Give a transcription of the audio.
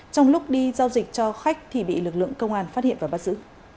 trong lúc đi giao dịch cho khách thì bị lực lượng công an phát hiện và bắt giữ